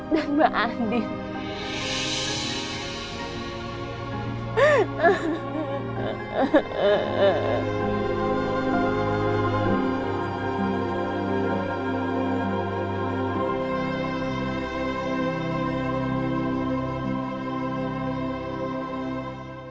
nah mbak andin